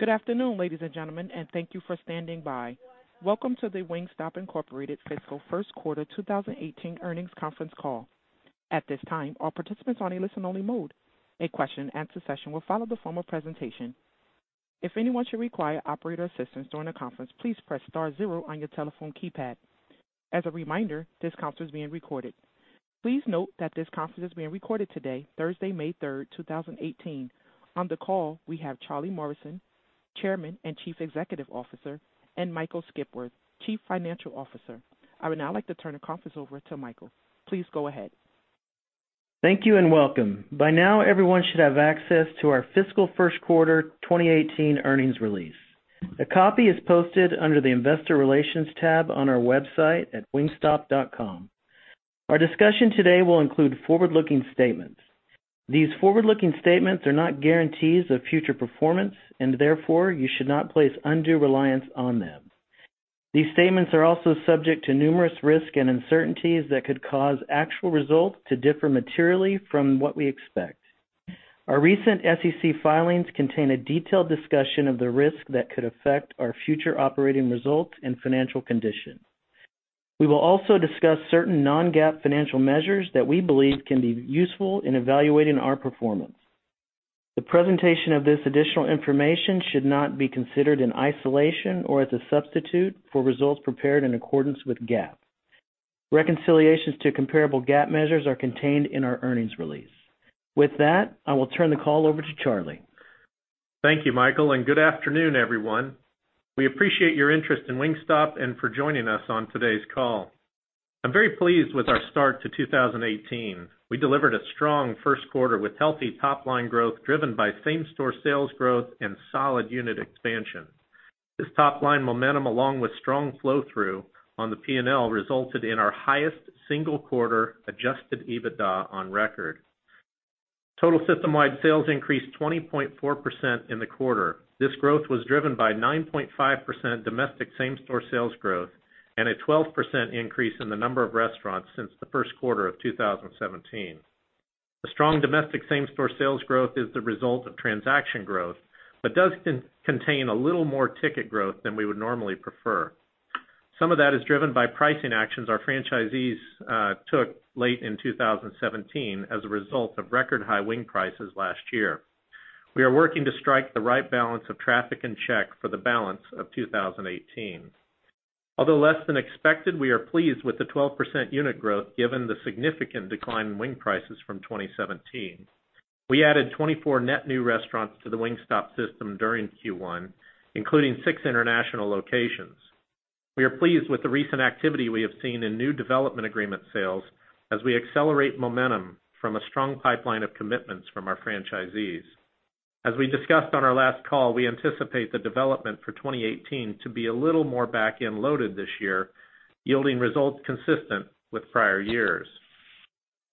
Good afternoon, ladies and gentlemen, and thank you for standing by. Welcome to the Wingstop Inc. Fiscal First Quarter 2018 Earnings Conference Call. At this time, all participants are in a listen only mode. A question and answer session will follow the formal presentation. If anyone should require operator assistance during the conference, please press star zero on your telephone keypad. As a reminder, this conference is being recorded. Please note that this conference is being recorded today, Thursday, May 3, 2018. On the call, we have Charlie Morrison, Chairman and Chief Executive Officer, and Michael Skipworth, Chief Financial Officer. I would now like to turn the conference over to Michael. Please go ahead. Thank you and welcome. By now, everyone should have access to our fiscal first quarter 2018 earnings release. A copy is posted under the investor relations tab on our website at wingstop.com. Our discussion today will include forward-looking statements. These forward-looking statements are not guarantees of future performance, and therefore, you should not place undue reliance on them. These statements are also subject to numerous risks and uncertainties that could cause actual results to differ materially from what we expect. Our recent SEC filings contain a detailed discussion of the risks that could affect our future operating results and financial condition. We will also discuss certain non-GAAP financial measures that we believe can be useful in evaluating our performance. The presentation of this additional information should not be considered in isolation or as a substitute for results prepared in accordance with GAAP. Reconciliations to comparable GAAP measures are contained in our earnings release. With that, I will turn the call over to Charlie. Thank you, Michael, and good afternoon, everyone. We appreciate your interest in Wingstop and for joining us on today's call. I'm very pleased with our start to 2018. We delivered a strong first quarter with healthy top-line growth driven by same-store sales growth and solid unit expansion. This top-line momentum, along with strong flow-through on the P&L, resulted in our highest single-quarter adjusted EBITDA on record. Total system-wide sales increased 20.4% in the quarter. This growth was driven by 9.5% domestic same-store sales growth and a 12% increase in the number of restaurants since the first quarter of 2017. The strong domestic same-store sales growth is the result of transaction growth but does contain a little more ticket growth than we would normally prefer. Some of that is driven by pricing actions our franchisees took late in 2017 as a result of record high wing prices last year. We are working to strike the right balance of traffic and check for the balance of 2018. Although less than expected, we are pleased with the 12% unit growth given the significant decline in wing prices from 2017. We added 24 net new restaurants to the Wingstop system during Q1, including six international locations. We are pleased with the recent activity we have seen in new development agreement sales as we accelerate momentum from a strong pipeline of commitments from our franchisees. As we discussed on our last call, we anticipate the development for 2018 to be a little more back-end loaded this year, yielding results consistent with prior years.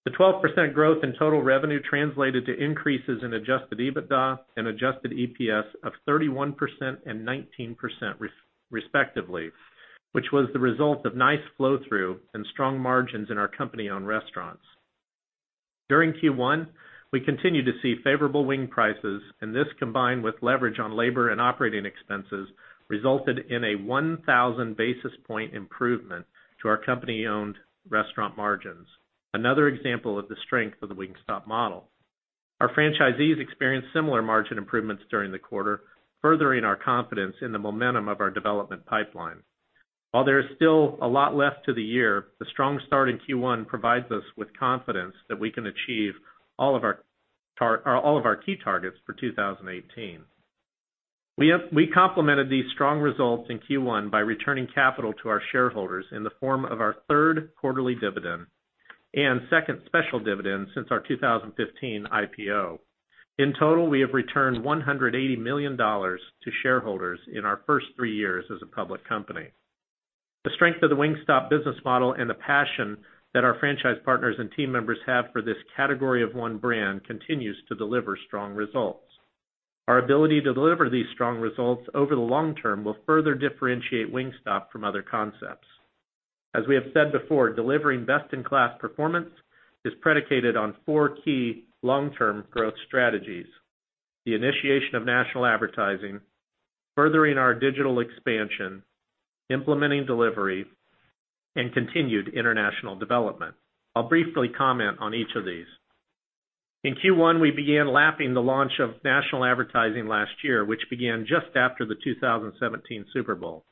The 12% growth in total revenue translated to increases in adjusted EBITDA and adjusted EPS of 31% and 19%, respectively, which was the result of nice flow-through and strong margins in our company-owned restaurants. During Q1, we continued to see favorable wing prices, and this, combined with leverage on labor and operating expenses, resulted in a 1,000 basis point improvement to our company-owned restaurant margins. Another example of the strength of the Wingstop model. Our franchisees experienced similar margin improvements during the quarter, furthering our confidence in the momentum of our development pipeline. While there is still a lot left to the year, the strong start in Q1 provides us with confidence that we can achieve all of our key targets for 2018. We complemented these strong results in Q1 by returning capital to our shareholders in the form of our third quarterly dividend and second special dividend since our 2015 IPO. In total, we have returned $180 million to shareholders in our first three years as a public company. The strength of the Wingstop business model and the passion that our franchise partners and team members have for this category of one brand continues to deliver strong results. Our ability to deliver these strong results over the long term will further differentiate Wingstop from other concepts. As we have said before, delivering best-in-class performance is predicated on four key long-term growth strategies: the initiation of national advertising, furthering our digital expansion, implementing delivery, and continued international development. I'll briefly comment on each of these. In Q1, we began lapping the launch of national advertising last year, which began just after the 2017 Super Bowl.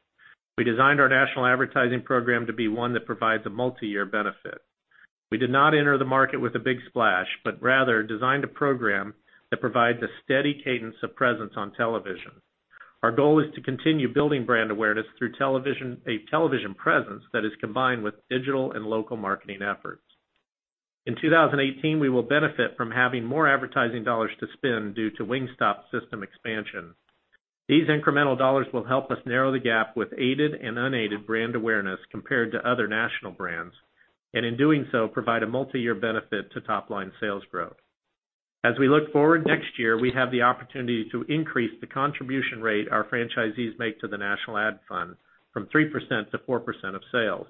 We designed our national advertising program to be one that provides a multiyear benefit. We did not enter the market with a big splash, but rather designed a program that provides a steady cadence of presence on television. Our goal is to continue building brand awareness through a television presence that is combined with digital and local marketing efforts. In 2018, we will benefit from having more advertising dollars to spend due to Wingstop system expansion. These incremental dollars will help us narrow the gap with aided and unaided brand awareness compared to other national brands, and in doing so, provide a multiyear benefit to top-line sales growth. As we look forward next year, we have the opportunity to increase the contribution rate our franchisees make to the national ad fund from 3% to 4% of sales.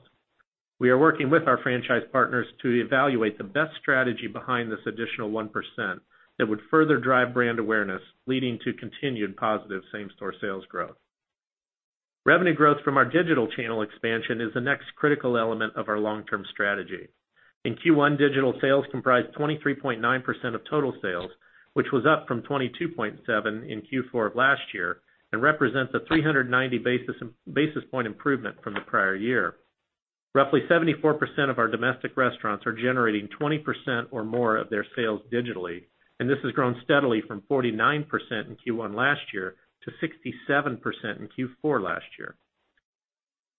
We are working with our franchise partners to evaluate the best strategy behind this additional 1% that would further drive brand awareness, leading to continued positive same-store sales growth. Revenue growth from our digital channel expansion is the next critical element of our long-term strategy. In Q1, digital sales comprised 23.9% of total sales, which was up from 22.7% in Q4 of last year and represents a 390 basis point improvement from the prior year. Roughly 74% of our domestic restaurants are generating 20% or more of their sales digitally, and this has grown steadily from 49% in Q1 last year to 67% in Q4 last year.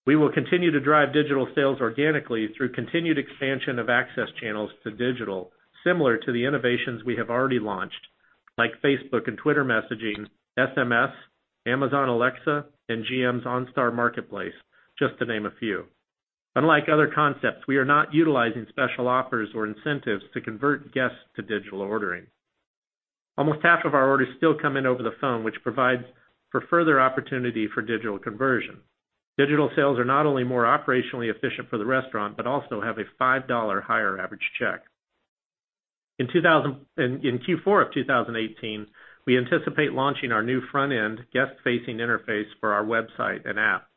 We will continue to drive digital sales organically through continued expansion of access channels to digital, similar to the innovations we have already launched, like Facebook and Twitter messaging, SMS, Amazon Alexa, and GM's OnStar marketplace, just to name a few. Unlike other concepts, we are not utilizing special offers or incentives to convert guests to digital ordering. Almost half of our orders still come in over the phone, which provides for further opportunity for digital conversion. Digital sales are not only more operationally efficient for the restaurant, but also have a $5 higher average check. In Q4 of 2018, we anticipate launching our new front end guest-facing interface for our website and app.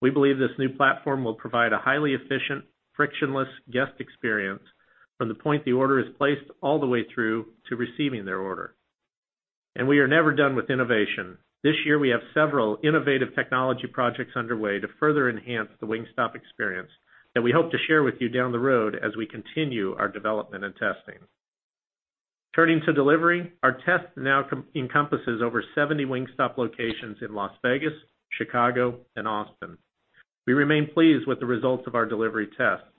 We believe this new platform will provide a highly efficient, frictionless guest experience from the point the order is placed all the way through to receiving their order. We are never done with innovation. This year, we have several innovative technology projects underway to further enhance the Wingstop experience that we hope to share with you down the road as we continue our development and testing. Turning to delivery, our test now encompasses over 70 Wingstop locations in Las Vegas, Chicago, and Austin. We remain pleased with the results of our delivery tests.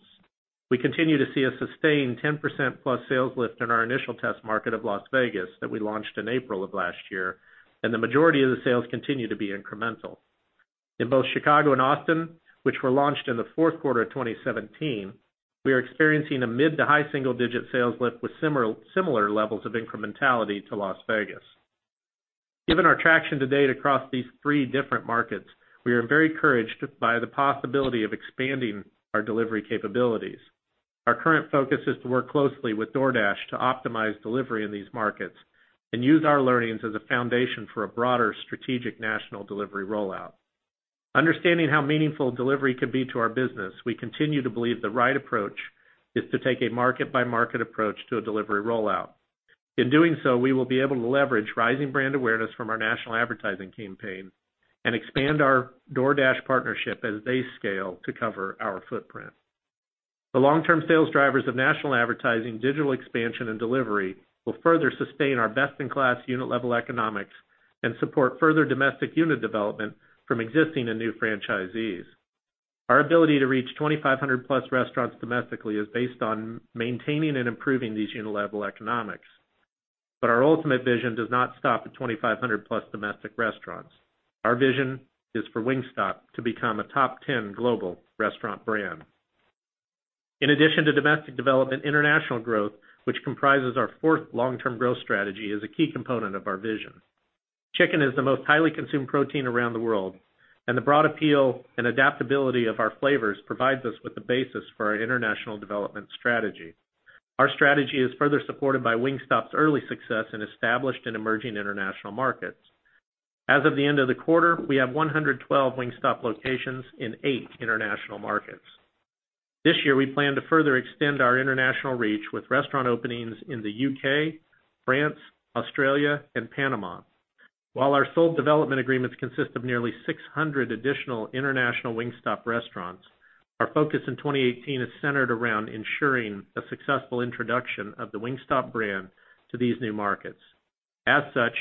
We continue to see a sustained 10% plus sales lift in our initial test market of Las Vegas that we launched in April of last year, and the majority of the sales continue to be incremental. In both Chicago and Austin, which were launched in the fourth quarter of 2017, we are experiencing a mid to high single-digit sales lift with similar levels of incrementality to Las Vegas. Given our traction to date across these 3 different markets, we are very encouraged by the possibility of expanding our delivery capabilities. Our current focus is to work closely with DoorDash to optimize delivery in these markets and use our learnings as a foundation for a broader strategic national delivery rollout. Understanding how meaningful delivery could be to our business, we continue to believe the right approach is to take a market-by-market approach to a delivery rollout. In doing so, we will be able to leverage rising brand awareness from our national advertising campaign and expand our DoorDash partnership as they scale to cover our footprint. The long-term sales drivers of national advertising, digital expansion, and delivery will further sustain our best-in-class unit level economics and support further domestic unit development from existing and new franchisees. Our ability to reach 2,500 plus restaurants domestically is based on maintaining and improving these unit level economics. Our ultimate vision does not stop at 2,500 plus domestic restaurants. Our vision is for Wingstop to become a top 10 global restaurant brand. In addition to domestic development, international growth, which comprises our fourth long-term growth strategy, is a key component of our vision. Chicken is the most highly consumed protein around the world, the broad appeal and adaptability of our flavors provides us with the basis for our international development strategy. Our strategy is further supported by Wingstop's early success in established and emerging international markets. As of the end of the quarter, we have 112 Wingstop locations in eight international markets. This year, we plan to further extend our international reach with restaurant openings in the U.K., France, Australia, and Panama. While our sold development agreements consist of nearly 600 additional international Wingstop restaurants, our focus in 2018 is centered around ensuring a successful introduction of the Wingstop brand to these new markets. As such,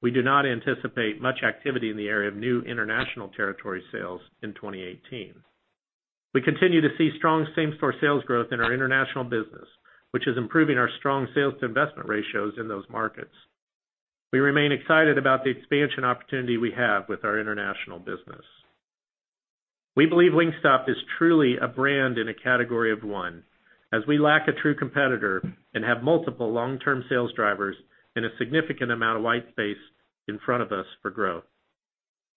we do not anticipate much activity in the area of new international territory sales in 2018. We continue to see strong same-store sales growth in our international business, which is improving our strong sales to investment ratios in those markets. We remain excited about the expansion opportunity we have with our international business. We believe Wingstop is truly a brand in a category of one, as we lack a true competitor and have multiple long-term sales drivers and a significant amount of white space in front of us for growth.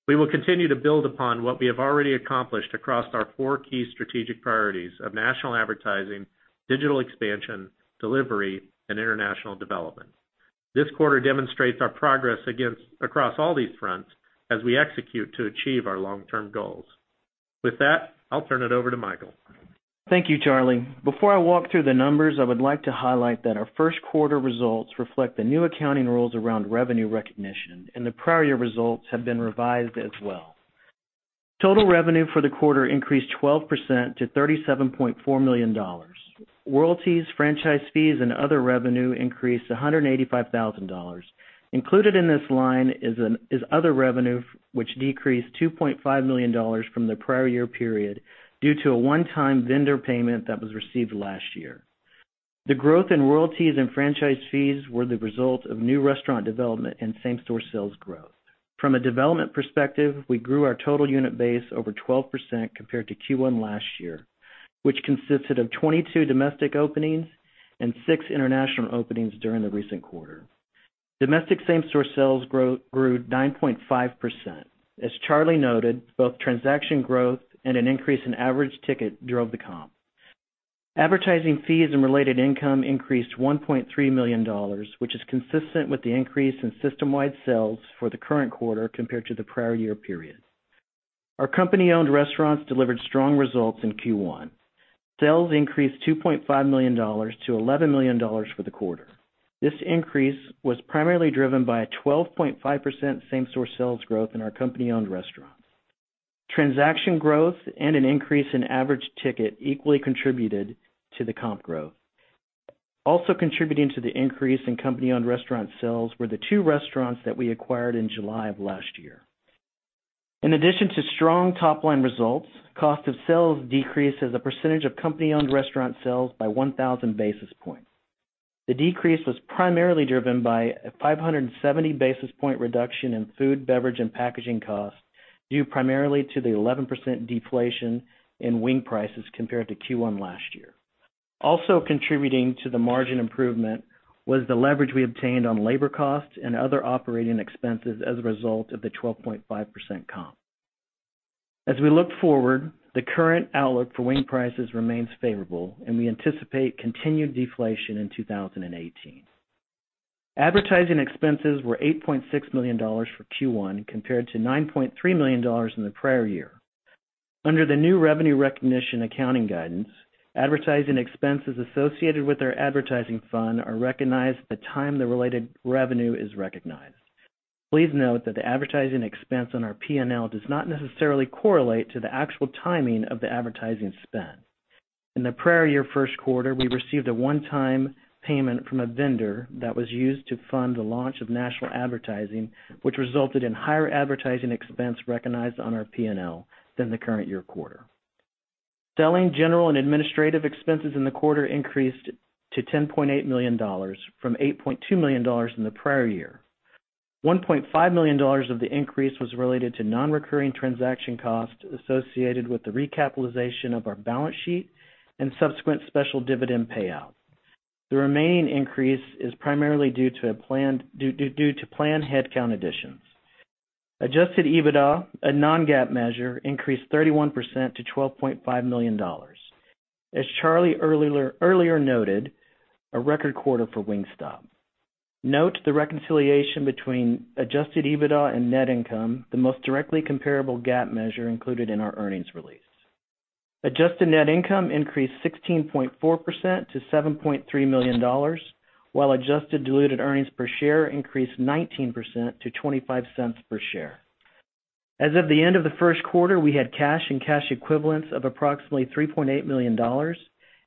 We will continue to build upon what we have already accomplished across our four key strategic priorities of national advertising, digital expansion, delivery, and international development. This quarter demonstrates our progress across all these fronts as we execute to achieve our long-term goals. With that, I'll turn it over to Michael. Thank you, Charlie. Before I walk through the numbers, I would like to highlight that our first quarter results reflect the new accounting rules around revenue recognition, the prior year results have been revised as well. Total revenue for the quarter increased 12% to $37.4 million. Royalties, franchise fees, and other revenue increased $185,000. Included in this line is other revenue, which decreased $2.5 million from the prior year period due to a one-time vendor payment that was received last year. The growth in royalties and franchise fees were the result of new restaurant development and same-store sales growth. From a development perspective, we grew our total unit base over 12% compared to Q1 last year, which consisted of 22 domestic openings and six international openings during the recent quarter. Domestic same-store sales grew 9.5%. As Charlie noted, both transaction growth and an increase in average ticket drove the comp. Advertising fees and related income increased $1.3 million, which is consistent with the increase in system-wide sales for the current quarter compared to the prior year period. Our company-owned restaurants delivered strong results in Q1. Sales increased $2.5 million to $11 million for the quarter. This increase was primarily driven by a 12.5% same-store sales growth in our company-owned restaurants. Transaction growth and an increase in average ticket equally contributed to the comp growth. Also contributing to the increase in company-owned restaurant sales were the two restaurants that we acquired in July of last year. In addition to strong top-line results, cost of sales decreased as a percentage of company-owned restaurant sales by 1,000 basis points. The decrease was primarily driven by a 570 basis point reduction in food, beverage, and packaging costs, due primarily to the 11% deflation in wing prices compared to Q1 last year. Also contributing to the margin improvement was the leverage we obtained on labor costs and other operating expenses as a result of the 12.5% comp. As we look forward, the current outlook for wing prices remains favorable, and we anticipate continued deflation in 2018. Advertising expenses were $8.6 million for Q1, compared to $9.3 million in the prior year. Under the new revenue recognition accounting guidance, advertising expenses associated with our advertising fund are recognized at the time the related revenue is recognized. Please note that the advertising expense on our P&L does not necessarily correlate to the actual timing of the advertising spend. In the prior year first quarter, we received a one-time payment from a vendor that was used to fund the launch of national advertising, which resulted in higher advertising expense recognized on our P&L than the current year quarter. Selling, general, and administrative expenses in the quarter increased to $10.8 million from $8.2 million in the prior year. $1.5 million of the increase was related to non-recurring transaction costs associated with the recapitalization of our balance sheet and subsequent special dividend payout. The remaining increase is primarily due to planned headcount additions. Adjusted EBITDA, a non-GAAP measure, increased 31% to $12.5 million. As Charlie earlier noted, a record quarter for Wingstop. Note the reconciliation between adjusted EBITDA and net income, the most directly comparable GAAP measure included in our earnings release. Adjusted net income increased 16.4% to $7.3 million, while adjusted diluted earnings per share increased 19% to $0.25 per share. As of the end of the first quarter, we had cash and cash equivalents of approximately $3.8 million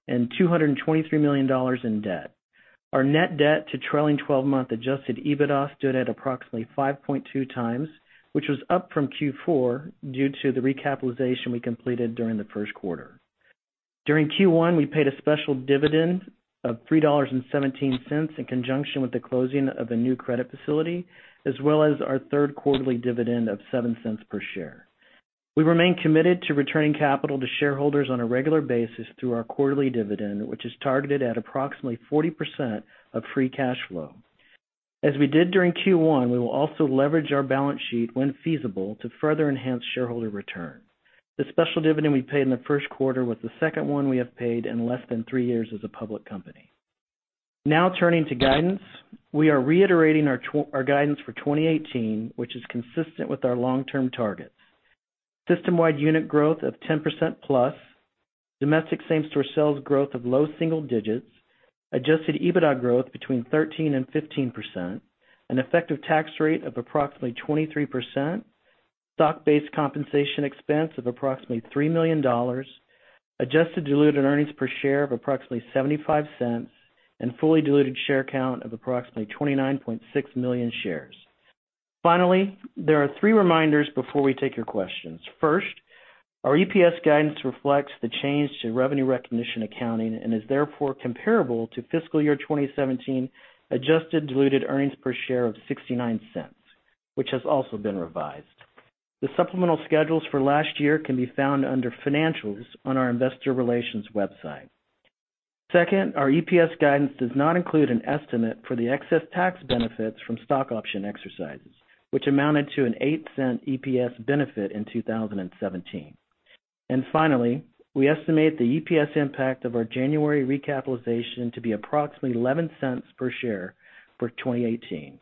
and $223 million in debt. Our net debt to trailing 12-month adjusted EBITDA stood at approximately 5.2 times, which was up from Q4 due to the recapitalization we completed during the first quarter. During Q1, we paid a special dividend of $3.17 in conjunction with the closing of a new credit facility, as well as our third quarterly dividend of $0.07 per share. We remain committed to returning capital to shareholders on a regular basis through our quarterly dividend, which is targeted at approximately 40% of free cash flow. As we did during Q1, we will also leverage our balance sheet when feasible to further enhance shareholder return. The special dividend we paid in the first quarter was the second one we have paid in less than three years as a public company. Now turning to guidance. We are reiterating our guidance for 2018, which is consistent with our long-term targets. System-wide unit growth of 10% plus, domestic same-store sales growth of low single digits, adjusted EBITDA growth between 13% and 15%, an effective tax rate of approximately 23%, stock-based compensation expense of approximately $3 million, adjusted diluted earnings per share of approximately $0.75, and fully diluted share count of approximately 29.6 million shares. Finally, there are three reminders before we take your questions. First, our EPS guidance reflects the change to revenue recognition accounting and is therefore comparable to fiscal year 2017 adjusted diluted earnings per share of $0.69, which has also been revised. The supplemental schedules for last year can be found under Financials on our investor relations website. Second, our EPS guidance does not include an estimate for the excess tax benefits from stock option exercises, which amounted to an $0.08 EPS benefit in 2017. Finally, we estimate the EPS impact of our January recapitalization to be approximately $0.11 per share for 2018.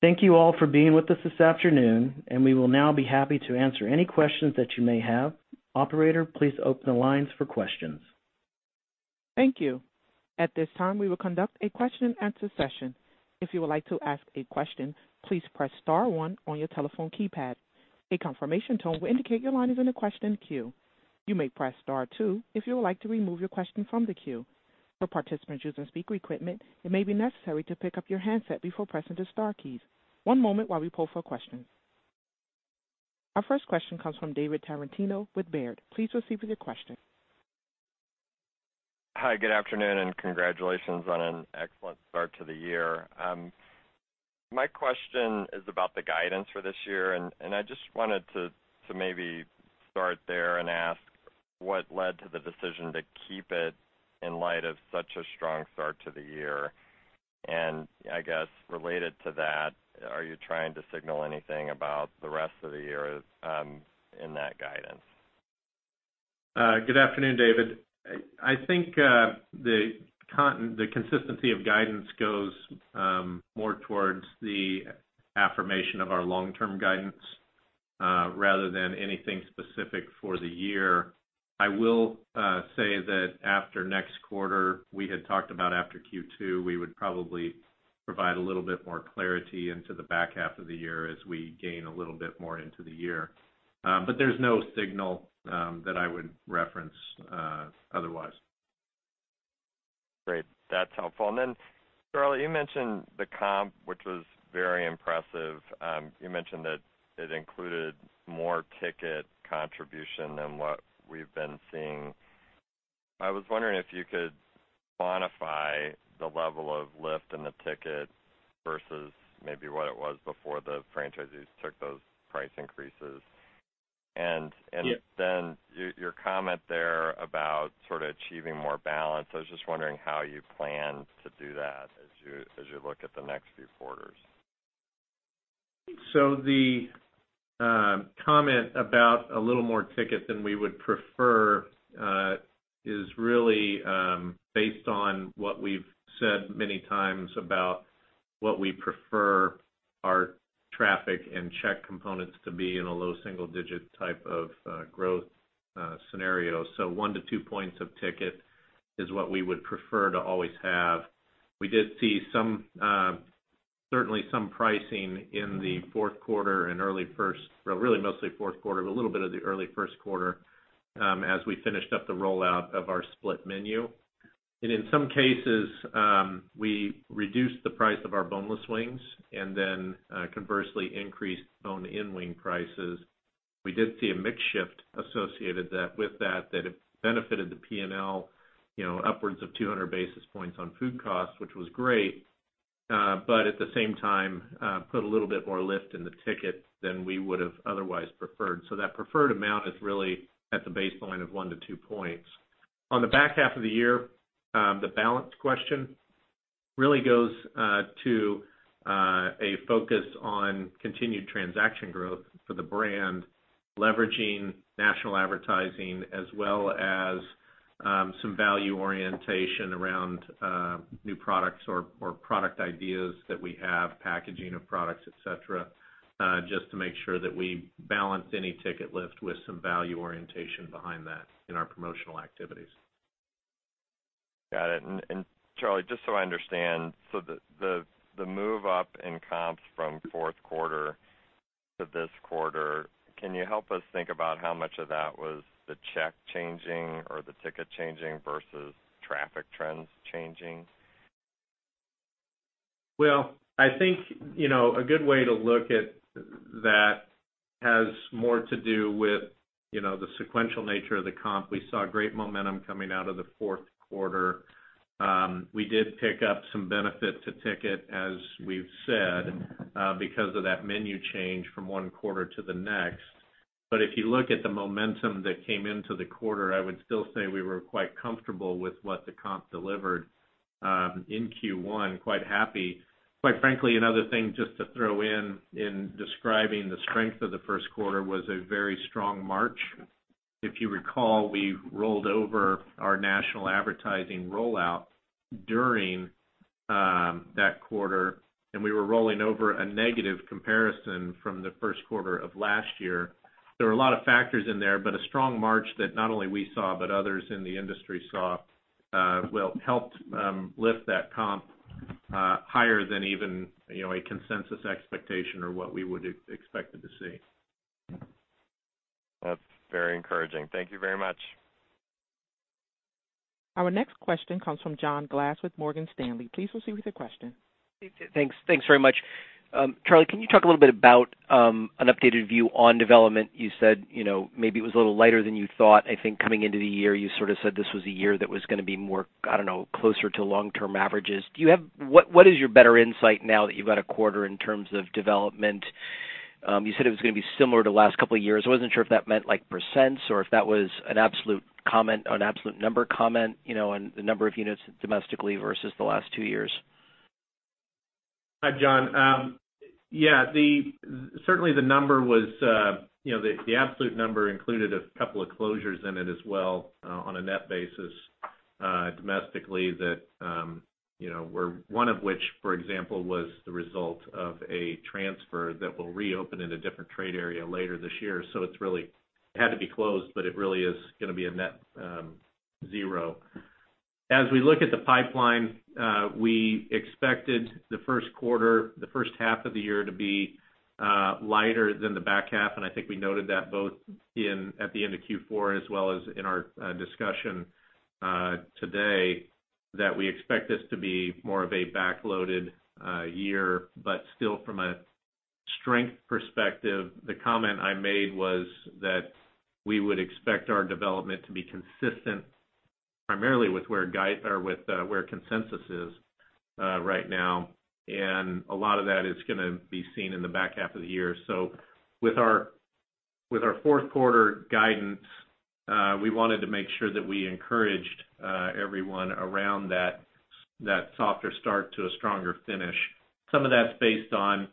Thank you all for being with us this afternoon, and we will now be happy to answer any questions that you may have. Operator, please open the lines for questions. Thank you. At this time, we will conduct a question and answer session. If you would like to ask a question, please press star one on your telephone keypad. A confirmation tone will indicate your line is in the question queue. You may press star two if you would like to remove your question from the queue. For participants using speaker equipment, it may be necessary to pick up your handset before pressing the star keys. One moment while we poll for questions. Our first question comes from David Tarantino with Baird. Please proceed with your question. Hi, good afternoon, and congratulations on an excellent start to the year. My question is about the guidance for this year, and I just wanted to maybe start there and ask what led to the decision to keep it in light of such a strong start to the year. I guess related to that, are you trying to signal anything about the rest of the year in that guidance? Good afternoon, David. I think the consistency of guidance goes more towards the affirmation of our long-term guidance, rather than anything specific for the year. I will say that after next quarter, we had talked about after Q2, we would probably provide a little bit more clarity into the back half of the year as we gain a little bit more into the year. There's no signal that I would reference otherwise. Great. That's helpful. Charlie, you mentioned the comp, which was very impressive. You mentioned that it included more ticket contribution than what we've been seeing. I was wondering if you could quantify the level of lift in the ticket versus maybe what it was before the franchisees took those price increases. Yeah. Your comment there about sort of achieving more balance. I was just wondering how you plan to do that as you look at the next few quarters. The comment about a little more ticket than we would prefer, is really based on what we've said many times about what we prefer our traffic and check components to be in a low single-digit type of growth scenario. One to two points of ticket is what we would prefer to always have. We did see certainly some pricing in the fourth quarter and early first. Really mostly fourth quarter, but a little bit of the early first quarter, as we finished up the rollout of our split menu. In some cases, we reduced the price of our boneless wings, and then conversely increased bone-in wing prices. We did see a mix shift associated with that it benefited the P&L upwards of 200 basis points on food costs, which was great. At the same time, put a little bit more lift in the ticket than we would've otherwise preferred. That preferred amount is really at the baseline of one to two points. On the back half of the year, the balance question really goes to a focus on continued transaction growth for the brand, leveraging national advertising, as well as some value orientation around new products or product ideas that we have, packaging of products, et cetera, just to make sure that we balance any ticket lift with some value orientation behind that in our promotional activities. Got it. Charlie, just so I understand, the move up in comps from fourth quarter to this quarter, can you help us think about how much of that was the check changing or the ticket changing versus traffic trends changing? I think, a good way to look at that has more to do with the sequential nature of the comp. We saw great momentum coming out of the fourth quarter. We did pick up some benefit to ticket, as we've said, because of that menu change from one quarter to the next. If you look at the momentum that came into the quarter, I would still say we were quite comfortable with what the comp delivered, in Q1, quite happy. Quite frankly, another thing just to throw in describing the strength of the first quarter was a very strong March. If you recall, we rolled over our national advertising rollout during that quarter, and we were rolling over a negative comparison from the first quarter of last year. There were a lot of factors in there, a strong March that not only we saw, others in the industry saw, helped lift that comp higher than even a consensus expectation or what we would expected to see. That's very encouraging. Thank you very much. Our next question comes from John Glass with Morgan Stanley. Please proceed with your question. Thanks very much. Charlie, can you talk a little bit about an updated view on development? You said maybe it was a little lighter than you thought. I think coming into the year, you sort of said this was a year that was going to be more, I don't know, closer to long-term averages. What is your better insight now that you've got a quarter in terms of development? You said it was going to be similar to last couple of years. I wasn't sure if that meant like %s or if that was an absolute number comment, and the number of units domestically versus the last two years. Hi, John. Yeah, certainly the absolute number included a couple of closures in it as well on a net basis domestically that one of which, for example, was the result of a transfer that will reopen in a different trade area later this year. It had to be closed, but it really is going to be a net zero. As we look at the pipeline, we expected the first quarter, the first half of the year to be lighter than the back half, and I think we noted that both at the end of Q4 as well as in our discussion today, that we expect this to be more of a back-loaded year. Still from a strength perspective, the comment I made was that we would expect our development to be consistent primarily with where consensus is right now, and a lot of that is going to be seen in the back half of the year. With our fourth quarter guidance, we wanted to make sure that we encouraged everyone around that softer start to a stronger finish. Some of that's based on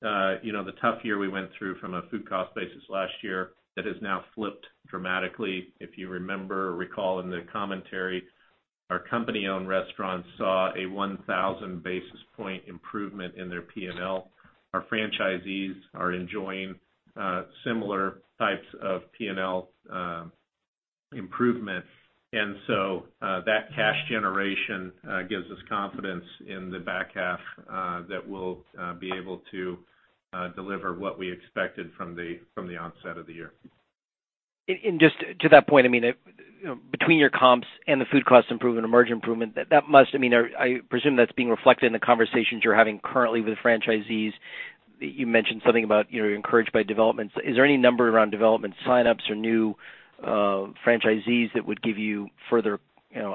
the tough year we went through from a food cost basis last year that has now flipped dramatically. If you remember or recall in the commentary, our company-owned restaurants saw a 1,000 basis point improvement in their P&L. Our franchisees are enjoying similar types of P&L improvement. That cash generation gives us confidence in the back half that we'll be able to deliver what we expected from the onset of the year. Just to that point, between your comps and the food cost improvement and margin improvement, I presume that's being reflected in the conversations you're having currently with franchisees. You mentioned something about you're encouraged by developments. Is there any number around development sign-ups or new franchisees that would give you further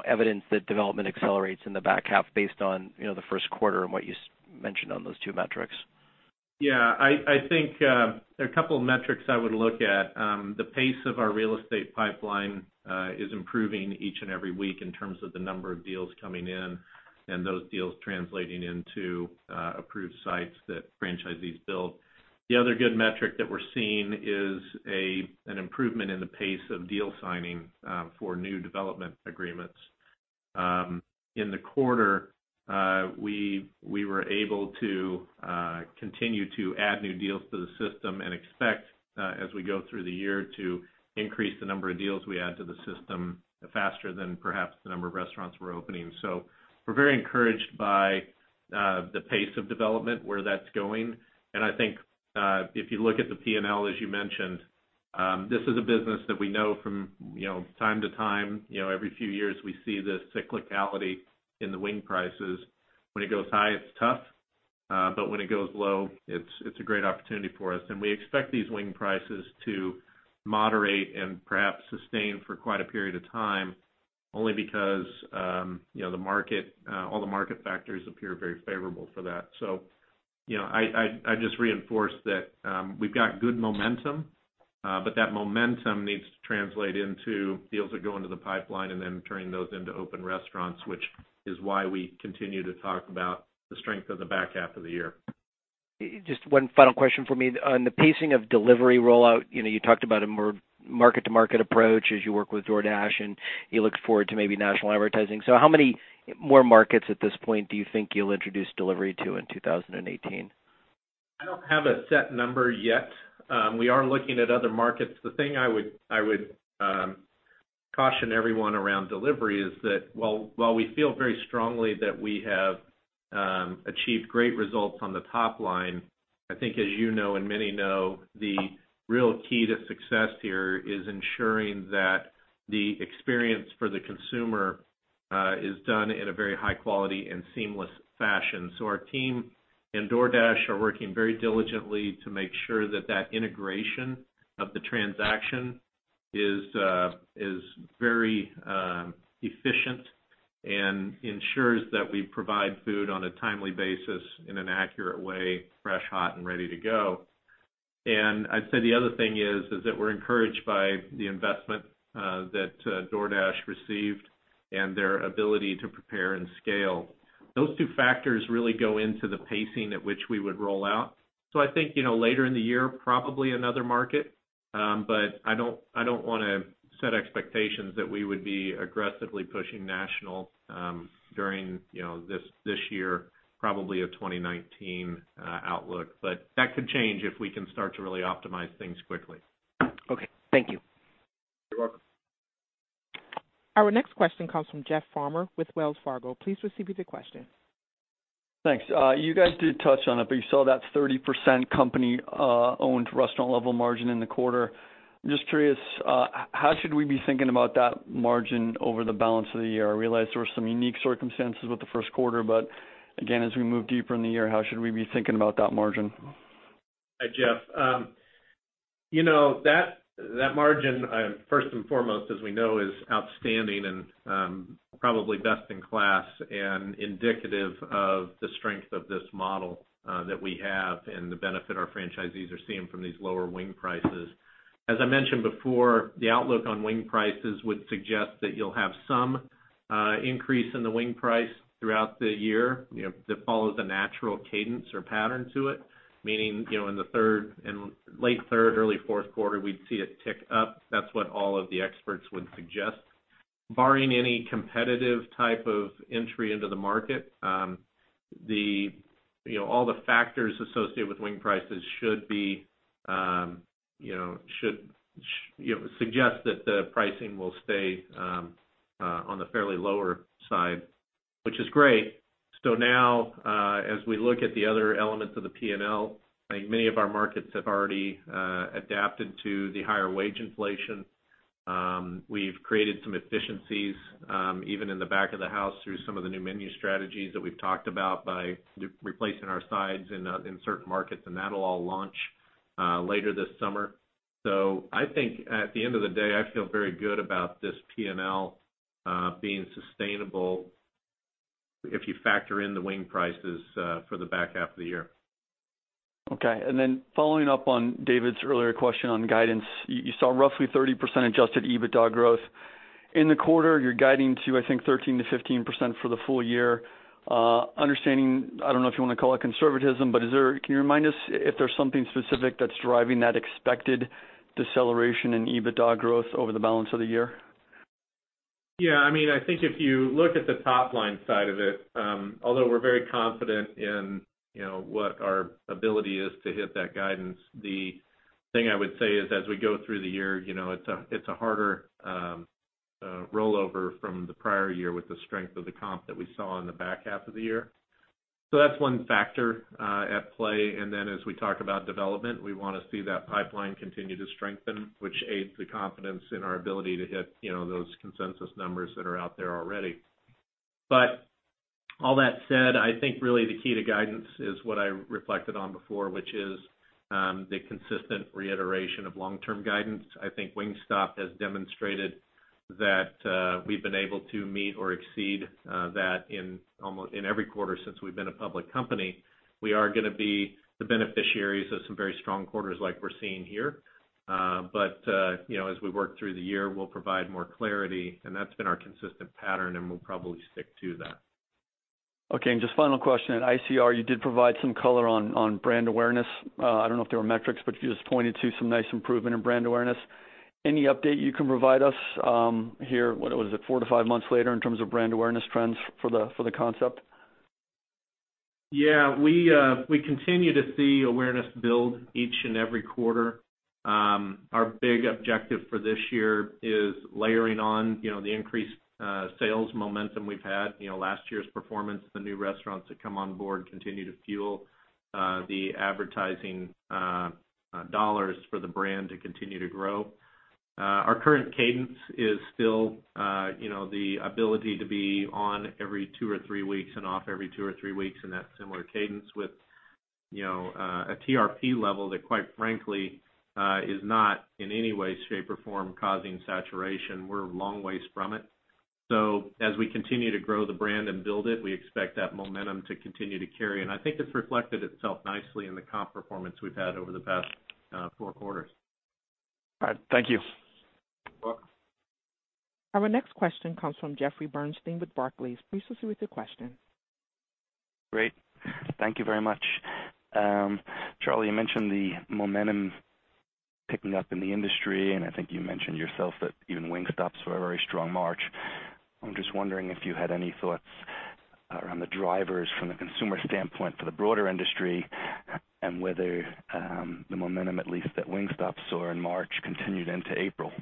evidence that development accelerates in the back half based on the first quarter and what you mentioned on those two metrics? I think there are a couple of metrics I would look at. The pace of our real estate pipeline is improving each and every week in terms of the number of deals coming in and those deals translating into approved sites that franchisees build. The other good metric that we're seeing is an improvement in the pace of deal signing for new development agreements. In the quarter, we were able to continue to add new deals to the system and expect, as we go through the year, to increase the number of deals we add to the system faster than perhaps the number of restaurants we're opening. We're very encouraged by the pace of development, where that's going. I think, if you look at the P&L, as you mentioned, this is a business that we know from time to time, every few years, we see this cyclicality in the wing prices. When it goes high, it's tough. When it goes low, it's a great opportunity for us. We expect these wing prices to moderate and perhaps sustain for quite a period of time, only because all the market factors appear very favorable for that. I'd just reinforce that we've got good momentum, that momentum needs to translate into deals that go into the pipeline and then turning those into open restaurants, which is why we continue to talk about the strength of the back half of the year. Just one final question from me. On the pacing of delivery rollout, you talked about a more market-to-market approach as you work with DoorDash, and you look forward to maybe national advertising. How many more markets at this point do you think you'll introduce delivery to in 2018? I don't have a set number yet. We are looking at other markets. The thing I would caution everyone around delivery is that while we feel very strongly that we have achieved great results on the top line, I think as you know, and many know, the real key to success here is ensuring that the experience for the consumer is done in a very high quality and seamless fashion. Our team and DoorDash are working very diligently to make sure that integration of the transaction is very efficient and ensures that we provide food on a timely basis in an accurate way, fresh, hot, and ready to go. I'd say the other thing is that we're encouraged by the investment that DoorDash received and their ability to prepare and scale. Those two factors really go into the pacing at which we would roll out. I think, later in the year, probably another market, but I don't want to set expectations that we would be aggressively pushing national during this year, probably a 2019 outlook. That could change if we can start to really optimize things quickly. Okay. Thank you. You're welcome. Our next question comes from Jeff Farmer with Wells Fargo. Please proceed with your question. Thanks. You guys did touch on it, you saw that 30% company-owned restaurant level margin in the quarter. I'm just curious, how should we be thinking about that margin over the balance of the year? I realize there were some unique circumstances with the first quarter, again, as we move deeper in the year, how should we be thinking about that margin? Hi, Jeff. That margin, first and foremost, as we know, is outstanding and probably best in class and indicative of the strength of this model that we have and the benefit our franchisees are seeing from these lower wing prices. As I mentioned before, the outlook on wing prices would suggest that you'll have some increase in the wing price throughout the year, that follows a natural cadence or pattern to it, meaning, in late third, early fourth quarter, we'd see it tick up. That's what all of the experts would suggest. Barring any competitive type of entry into the market, all the factors associated with wing prices should suggest that the pricing will stay on the fairly lower side, which is great. Now, as we look at the other elements of the P&L, I think many of our markets have already adapted to the higher wage inflation. We've created some efficiencies, even in the back of the house through some of the new menu strategies that we've talked about by replacing our sides in certain markets, and that'll all launch, later this summer. I think at the end of the day, I feel very good about this P&L being sustainable if you factor in the wing prices for the back half of the year. Okay. Following up on David's earlier question on guidance, you saw roughly 30% adjusted EBITDA growth. In the quarter, you're guiding to, I think, 13%-15% for the full year. Understanding, I don't know if you want to call it conservatism, but can you remind us if there's something specific that's driving that expected deceleration in EBITDA growth over the balance of the year? Yeah. I think if you look at the top-line side of it, although we're very confident in what our ability is to hit that guidance, the thing I would say is, as we go through the year, it's a harder rollover from the prior year with the strength of the comp that we saw in the back half of the year. That's one factor at play. As we talk about development, we want to see that pipeline continue to strengthen, which aids the confidence in our ability to hit those consensus numbers that are out there already. All that said, I think really the key to guidance is what I reflected on before, which is the consistent reiteration of long-term guidance. I think Wingstop has demonstrated that we've been able to meet or exceed that in every quarter since we've been a public company. We are going to be the beneficiaries of some very strong quarters like we're seeing here. As we work through the year, we'll provide more clarity, and that's been our consistent pattern, and we'll probably stick to that. Okay. Just final question. At ICR, you did provide some color on brand awareness. I don't know if there were metrics, but you just pointed to some nice improvement in brand awareness. Any update you can provide us here, what was it, four to five months later in terms of brand awareness trends for the concept? Yeah. We continue to see awareness build each and every quarter. Our big objective for this year is layering on the increased sales momentum we've had. Last year's performance, the new restaurants that come on board continue to fuel the advertising dollars for the brand to continue to grow. Our current cadence is still the ability to be on every two or three weeks and off every two or three weeks in that similar cadence with a TRP level that quite frankly, is not in any way, shape, or form causing saturation. We're a long ways from it. As we continue to grow the brand and build it, we expect that momentum to continue to carry, and I think it's reflected itself nicely in the comp performance we've had over the past four quarters. All right. Thank you. You're welcome. Our next question comes from Jeffrey Bernstein with Barclays. Please proceed with your question. Great. Thank you very much. Charlie, you mentioned the momentum picking up in the industry, I think you mentioned yourself that even Wingstop's were a very strong March. I'm just wondering if you had any thoughts around the drivers from the consumer standpoint for the broader industry and whether the momentum, at least, that Wingstop saw in March continued into April.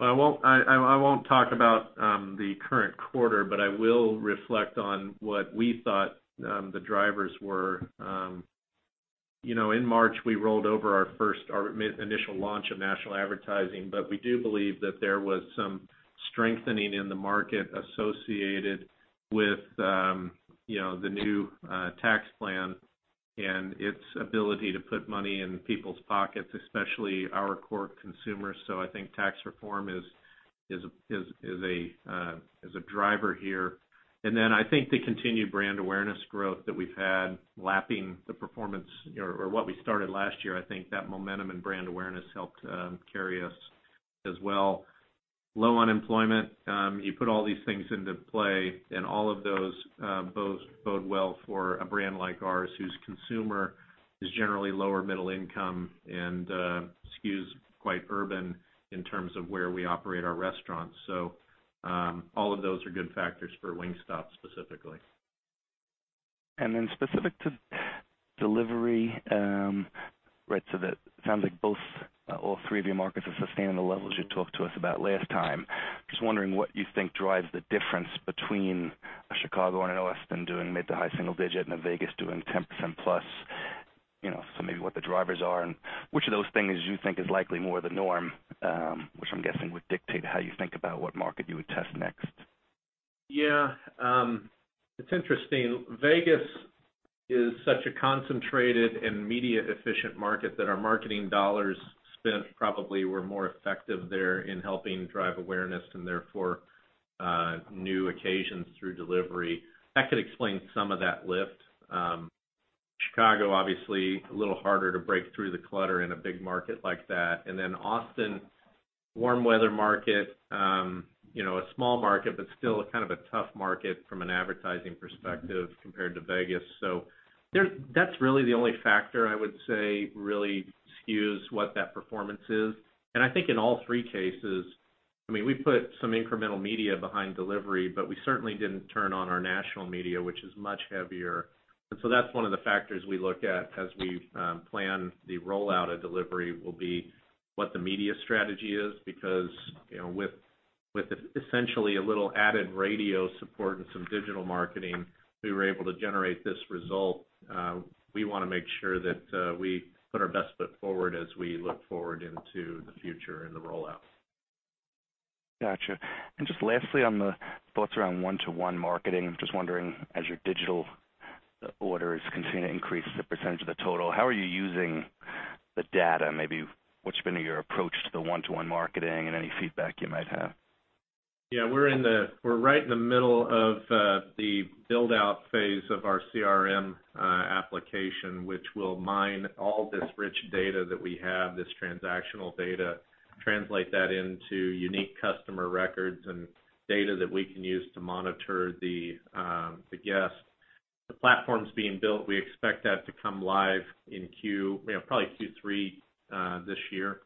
I won't talk about the current quarter, I will reflect on what we thought the drivers were. In March, we rolled over our initial launch of national advertising, we do believe that there was some strengthening in the market associated with the new tax plan and its ability to put money in people's pockets, especially our core consumers. I think tax reform is a driver here. I think the continued brand awareness growth that we've had, lapping the performance or what we started last year, I think that momentum and brand awareness helped carry us as well. Low unemployment. You put all these things into play, all of those bode well for a brand like ours, whose consumer is generally lower middle income and skews quite urban in terms of where we operate our restaurants. All of those are good factors for Wingstop specifically. Specific to delivery, that sounds like all three of your markets are sustaining the levels you talked to us about last time. Just wondering what you think drives the difference between a Chicago and an Austin doing mid to high single-digit and a Vegas doing 10%+, maybe what the drivers are and which of those things you think is likely more the norm, which I'm guessing would dictate how you think about what market you would test next. It's interesting. Vegas is such a concentrated and media-efficient market that our marketing dollars spent probably were more effective there in helping drive awareness and therefore, new occasions through delivery. That could explain some of that lift. Chicago, obviously, a little harder to break through the clutter in a big market like that. Austin, warm weather market, a small market, but still a kind of a tough market from an advertising perspective compared to Vegas. That's really the only factor I would say really skews what that performance is. I think in all three cases, we put some incremental media behind delivery, but we certainly didn't turn on our national media, which is much heavier. That's one of the factors we look at as we plan the rollout of delivery will be what the media strategy is, because with essentially a little added radio support and some digital marketing, we were able to generate this result. We want to make sure that we put our best foot forward as we look forward into the future and the rollout. Got you. Just lastly, on the thoughts around one-to-one marketing, I'm just wondering, as your digital orders continue to increase the percentage of the total, how are you using the data? Maybe what's been your approach to the one-to-one marketing and any feedback you might have? Yeah, we're right in the middle of the build-out phase of our CRM application, which will mine all this rich data that we have, this transactional data, translate that into unique customer records and data that we can use to monitor the guest. The platform's being built. We expect that to come live in probably Q3 this year.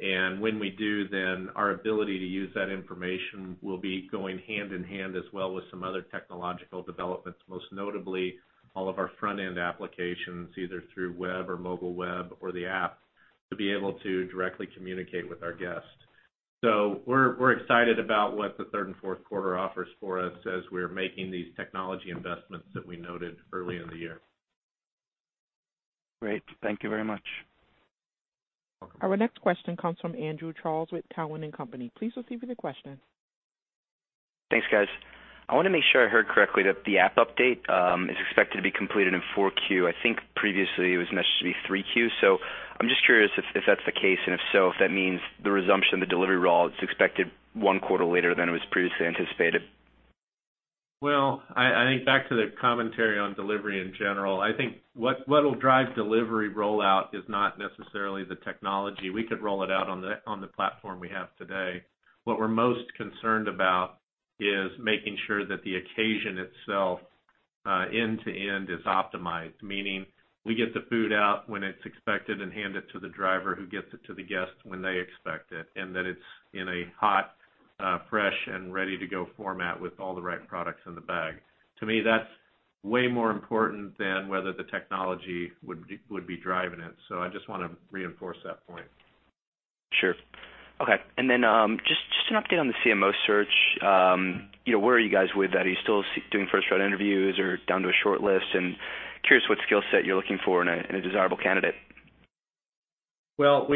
When we do, then our ability to use that information will be going hand in hand as well with some other technological developments, most notably all of our front-end applications, either through web or mobile web or the app, to be able to directly communicate with our guests. We're excited about what the third and fourth quarter offers for us as we're making these technology investments that we noted early in the year. Great. Thank you very much. Welcome. Our next question comes from Andrew Charles with Cowen and Company. Please proceed with your question. Thanks, guys. I want to make sure I heard correctly that the app update is expected to be completed in 4Q. I think previously it was mentioned to be 3Q, so I'm just curious if that's the case, and if so, if that means the resumption of the delivery role is expected one quarter later than it was previously anticipated. Well, I think back to the commentary on delivery in general. I think what'll drive delivery rollout is not necessarily the technology. We could roll it out on the platform we have today. What we're most concerned about is making sure that the occasion itself, end to end, is optimized, meaning we get the food out when it's expected and hand it to the driver who gets it to the guest when they expect it, and that it's in a hot, fresh, and ready-to-go format with all the right products in the bag. To me, that's way more important than whether the technology would be driving it. I just want to reinforce that point. Sure. Okay. Just an update on the CMO search. Where are you guys with that? Are you still doing first-round interviews or down to a short list? Curious what skill set you're looking for in a desirable candidate. Well,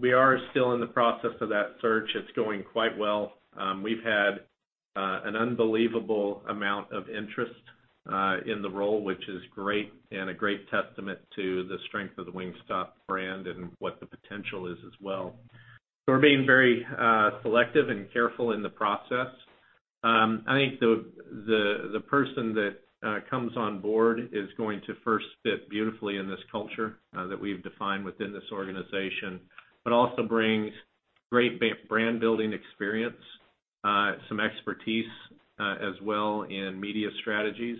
we are still in the process of that search. It's going quite well. We've had an unbelievable amount of interest in the role, which is great and a great testament to the strength of the Wingstop brand and what the potential is as well. We're being very selective and careful in the process. I think the person that comes on board is going to first fit beautifully in this culture that we've defined within this organization, but also brings great brand-building experience, some expertise as well in media strategies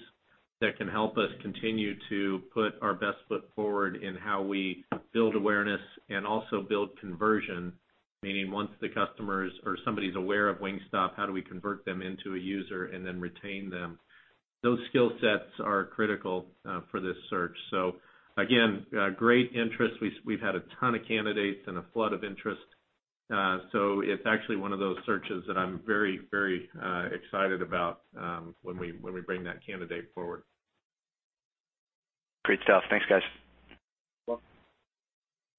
that can help us continue to put our best foot forward in how we build awareness and also build conversion, meaning once the customers or somebody's aware of Wingstop, how do we convert them into a user and then retain them? Those skill sets are critical for this search. Again, great interest. We've had a ton of candidates and a flood of interest. It's actually one of those searches that I'm very excited about when we bring that candidate forward. Great stuff. Thanks, guys. Welcome.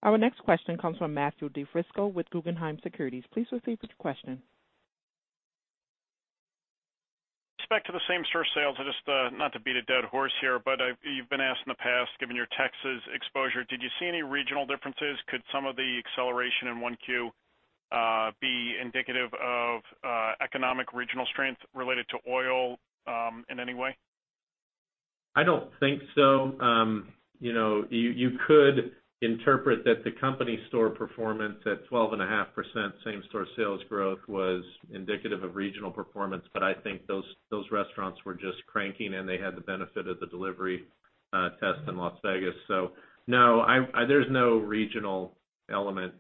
Our next question comes from Matthew DiFrisco with Guggenheim Securities. Please proceed with your question. Back to the same-store sales, not to beat a dead horse here, but you've been asked in the past, given your Texas exposure, did you see any regional differences? Could some of the acceleration in 1Q be indicative of economic regional strength related to oil in any way? I don't think so. You could interpret that the company store performance at 12.5% same-store sales growth was indicative of regional performance, but I think those restaurants were just cranking, and they had the benefit of the delivery test in Las Vegas. No, there's no regional element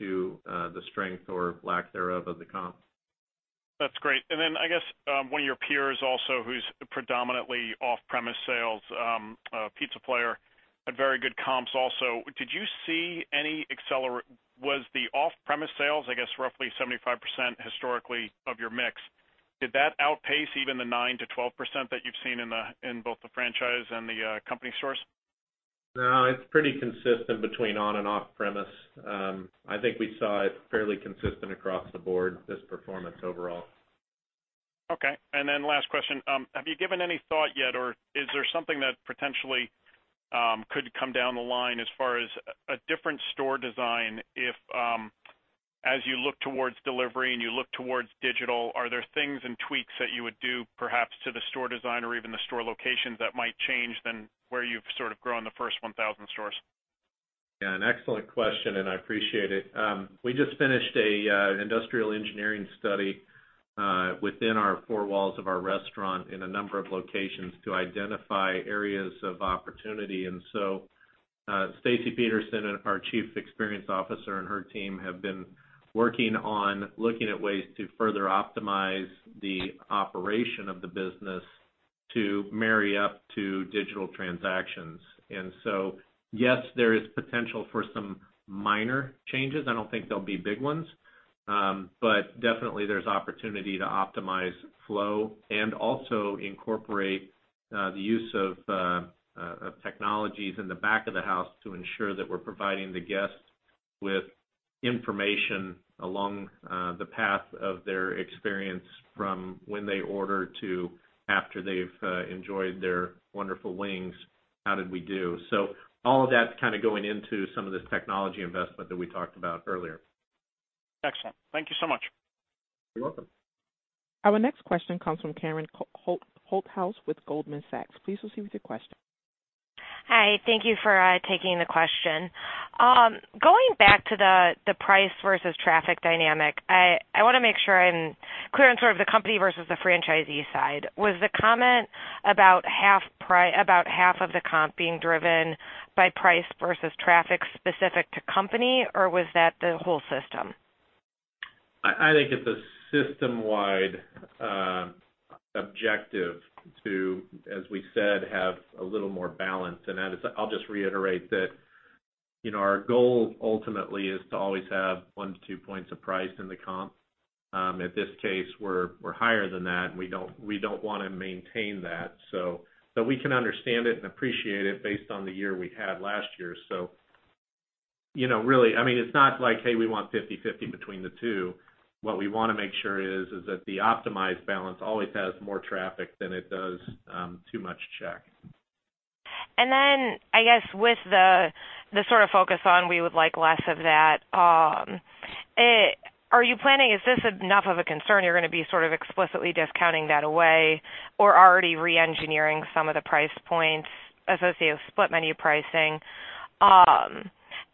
to the strength or lack thereof of the comp. That's great. I guess, one of your peers also who's predominantly off-premise sales, a pizza player, had very good comps also. Was the off-premise sales, I guess, roughly 75% historically of your mix, did that outpace even the 9% to 12% that you've seen in both the franchise and the company stores? No, it's pretty consistent between on and off-premise. I think we saw it fairly consistent across the board, this performance overall. Okay. Last question. Have you given any thought yet, or is there something that potentially could come down the line as far as a different store design if as you look towards delivery and you look towards digital, are there things and tweaks that you would do perhaps to the store design or even the store locations that might change than where you've sort of grown the first 1,000 stores? Yeah, an excellent question, and I appreciate it. We just finished an industrial engineering study within our four walls of our restaurant in a number of locations to identify areas of opportunity. Stacy Peterson, our Chief Experience Officer, and her team have been working on looking at ways to further optimize the operation of the business to marry up to digital transactions. Yes, there is potential for some minor changes. I don't think they'll be big ones. Definitely there's opportunity to optimize flow and also incorporate the use of technologies in the back of the house to ensure that we're providing the guests with information along the path of their experience from when they order to after they've enjoyed their wonderful wings, how did we do? All of that's going into some of this technology investment that we talked about earlier. Excellent. Thank you so much. You're welcome. Our next question comes from Karen Holthouse with Goldman Sachs. Please proceed with your question. Hi. Thank you for taking the question. Going back to the price versus traffic dynamic, I want to make sure I'm clear on the company versus the franchisee side. Was the comment about half of the comp being driven by price versus traffic specific to company, or was that the whole system? I think it's a system-wide objective to, as we said, have a little more balance. I'll just reiterate that our goal ultimately is to always have one to two points of price in the comp. At this case, we're higher than that, and we don't want to maintain that. We can understand it and appreciate it based on the year we had last year. Really, it's not like, "Hey, we want 50-50 between the two." What we want to make sure is that the optimized balance always has more traffic than it does too much check. I guess with the sort of focus on we would like less of that, is this enough of a concern you're going to be sort of explicitly discounting that away or already re-engineering some of the price points associated with split menu pricing?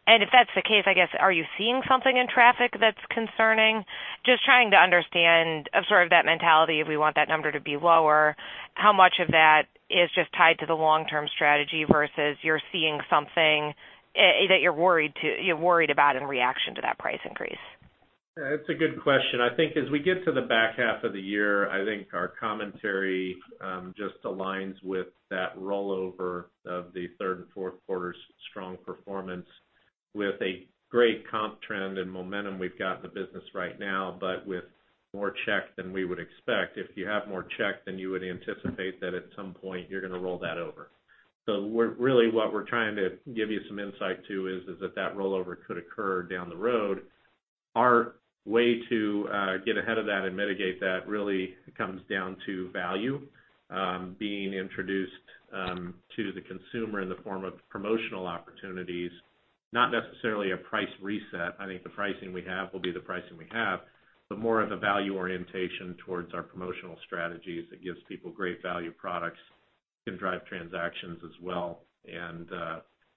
If that's the case, I guess, are you seeing something in traffic that's concerning? I'm just trying to understand sort of that mentality if we want that number to be lower, how much of that is just tied to the long-term strategy versus you're seeing something that you're worried about in reaction to that price increase? That's a good question. I think as we get to the back half of the year, I think our commentary just aligns with that rollover of the third and fourth quarter's strong performance with a great comp trend and momentum we've got in the business right now, but with more check than we would expect. If you have more check, you would anticipate that at some point you're going to roll that over. Really what we're trying to give you some insight to is that that rollover could occur down the road. Our way to get ahead of that and mitigate that really comes down to value being introduced to the consumer in the form of promotional opportunities, not necessarily a price reset. I think the pricing we have will be the pricing we have, more of a value orientation towards our promotional strategies that gives people great value products, can drive transactions as well, and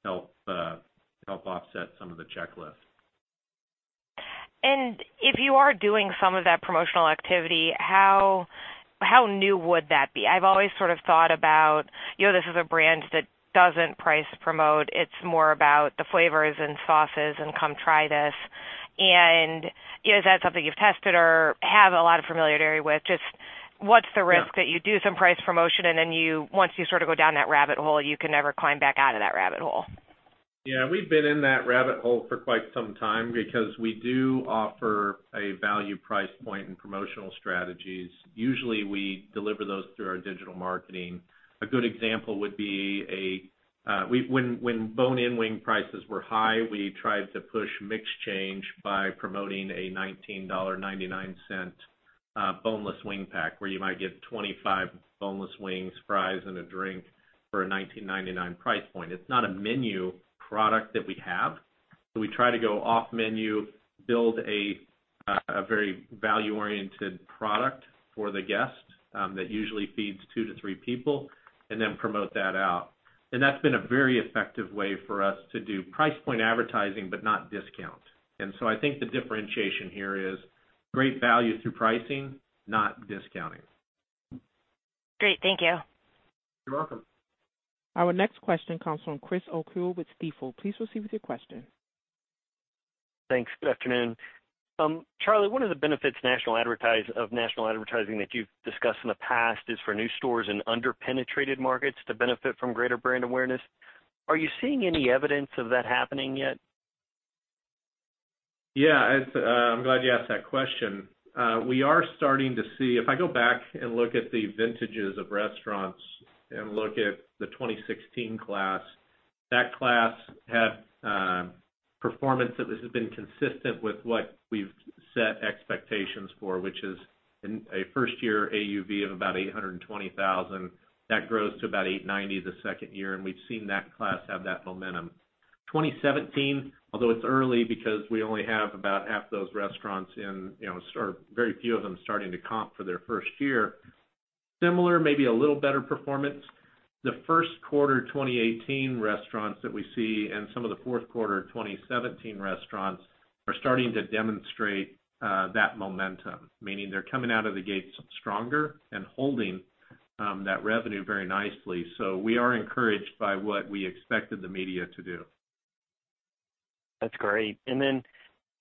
help offset some of the check loss. if you are doing some of that promotional activity, how new would that be? I've always sort of thought about this is a brand that doesn't price promote. It's more about the flavors and sauces and come try this. Is that something you've tested or have a lot of familiarity with? Just what's the risk that you do some price promotion, and then once you sort of go down that rabbit hole, you can never climb back out of that rabbit hole? Yeah. We've been in that rabbit hole for quite some time because we do offer a value price point and promotional strategies. Usually, we deliver those through our digital marketing. A good example would be when bone-in wing prices were high, we tried to push mix change by promoting a $19.99 boneless wing pack where you might get 25 boneless wings, fries, and a drink for a $19.99 price point. It's not a menu product that we have, so we try to go off menu, build a very value-oriented product for the guest that usually feeds two to three people, then promote that out. That's been a very effective way for us to do price point advertising, but not discount. I think the differentiation here is great value through pricing, not discounting. Great. Thank you. You're welcome. Our next question comes from Chris O'Cull with Stifel. Please proceed with your question. Thanks. Good afternoon. Charlie, one of the benefits of national advertising that you've discussed in the past is for new stores in under-penetrated markets to benefit from greater brand awareness. Are you seeing any evidence of that happening yet? Yeah. I'm glad you asked that question. We are starting to see, if I go back and look at the vintages of restaurants and look at the 2016 class, that class had performance that has been consistent with what we've set expectations for, which is a first year AUV of about $820,000. That grows to about $890 the second year, and we've seen that class have that momentum. 2017, although it's early because we only have about half those restaurants in, or very few of them starting to comp for their first year, similar, maybe a little better performance. The first quarter 2018 restaurants that we see and some of the fourth quarter 2017 restaurants are starting to demonstrate that momentum, meaning they're coming out of the gates stronger and holding that revenue very nicely. We are encouraged by what we expected the media to do. That's great.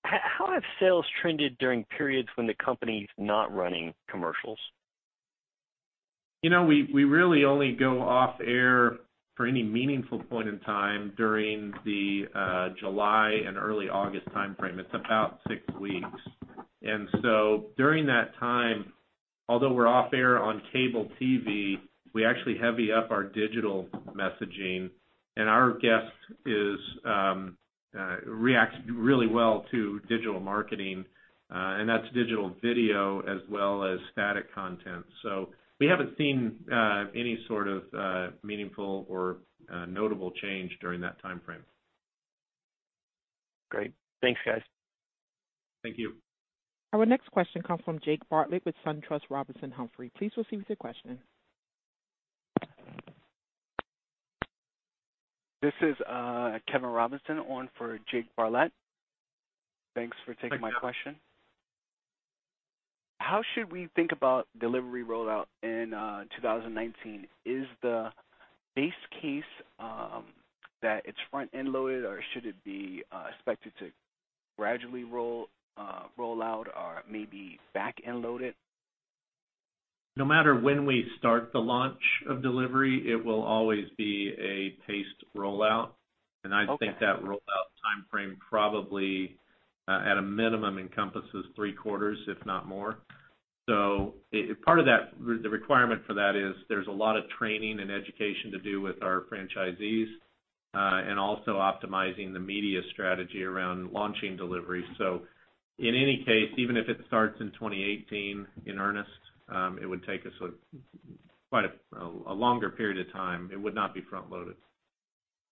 How have sales trended during periods when the company's not running commercials? We really only go off air for any meaningful point in time during the July and early August timeframe. It's about six weeks. During that time, although we're off air on cable TV, we actually heavy up our digital messaging, and our guest reacts really well to digital marketing, and that's digital video as well as static content. We haven't seen any sort of meaningful or notable change during that timeframe. Great. Thanks, guys. Thank you. Our next question comes from Jake Bartlett with SunTrust Robinson Humphrey. Please proceed with your question. This is Kevin Robinson on for Jake Bartlett. Thanks for taking my question. Thanks, Kevin. How should we think about delivery rollout in 2019? Is the base case that it's front-end loaded, or should it be expected to gradually roll out or maybe back-end loaded? No matter when we start the launch of delivery, it will always be a paced rollout. Okay. I think that rollout timeframe probably, at a minimum, encompasses three quarters, if not more. The requirement for that is there's a lot of training and education to do with our franchisees, and also optimizing the media strategy around launching delivery. In any case, even if it starts in 2018 in earnest, it would take us quite a longer period of time. It would not be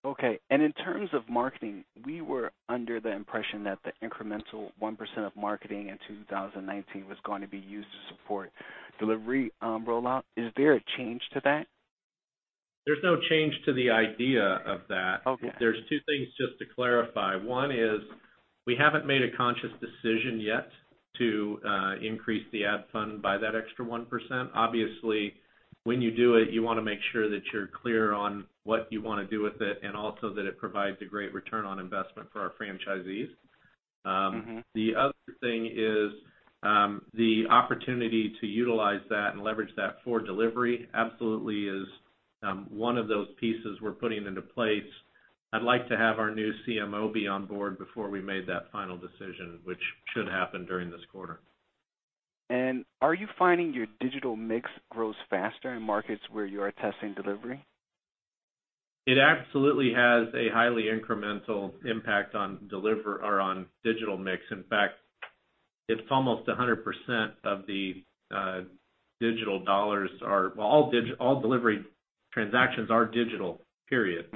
front-loaded. In terms of marketing, we were under the impression that the incremental 1% of marketing in 2019 was going to be used to support delivery rollout. Is there a change to that? There's no change to the idea of that. Okay. There's two things just to clarify. One is we haven't made a conscious decision yet to increase the ad fund by that extra 1%. Obviously, when you do it, you want to make sure that you're clear on what you want to do with it, and also that it provides a great return on investment for our franchisees. The other thing is the opportunity to utilize that and leverage that for delivery absolutely is one of those pieces we're putting into place. I'd like to have our new CMO be on board before we made that final decision, which should happen during this quarter. Are you finding your digital mix grows faster in markets where you are testing delivery? It absolutely has a highly incremental impact on digital mix. In fact, it's almost 100% of the digital dollars. Well, all delivery transactions are digital, period.